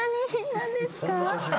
何ですか？